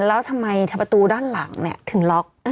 แล้วทำไมประตูด้านหลังถึงล็อก